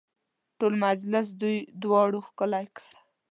ټول مجلس دوی دواړو ښکلی کړ.